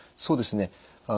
そうですね。